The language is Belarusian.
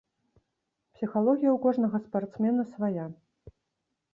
Псіхалогія ў кожнага спартсмена свая.